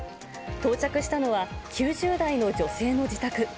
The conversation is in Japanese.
到着したのは、９０代の女性の自宅。